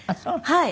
はい。